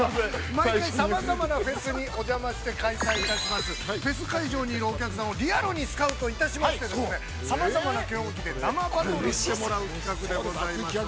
毎回さまざまなフェスにお邪魔して開催いたします、フェス会場にいるお客さんをリアルにスカウトいたしまして、さまざまな競技で生バトルしてもらう企画でございます。